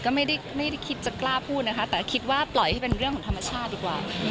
ก็ไม่ได้คิดจะกล้าพูดนะคะแต่คิดว่าปล่อยให้เป็นเรื่องของธรรมชาติดีกว่า